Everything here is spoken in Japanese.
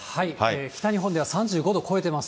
北日本では３５度を超えてます。